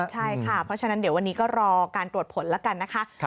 ใช่ค่ะเพราะฉะนั้นเดี๋ยววันนี้ก็รอการตรวจผลแล้วกันนะคะ